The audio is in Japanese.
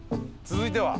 続いては。